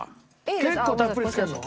結構たっぷりつけるの？